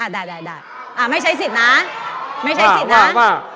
ได้ไม่ใช่สิทธิ์นะ